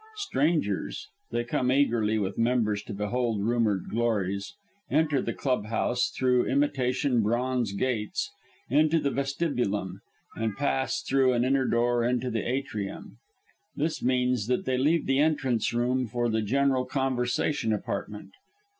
Strangers they come eagerly with members to behold rumoured glories enter the club house, through imitation bronze gates, into the vestibulum, and pass through an inner door into the atrium. This means that they leave the entrance room for the general conversation apartment.